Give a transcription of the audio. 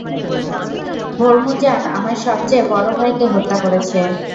Hormuzan আমার সবচেয়ে বড় ভাইকে হত্যা করেছে।